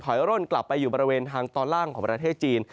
ร่นกลับไปอยู่บริเวณทางตอนล่างของประเทศจีน